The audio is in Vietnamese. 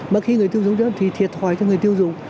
mà khi người tiêu dùng chấp nhận thì thiệt thòi cho người tiêu dùng